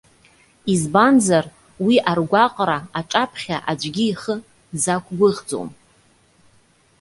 Избанзар, уи аргәаҟра аҿаԥхьа аӡәгьы ихы дзақәгәыӷӡом.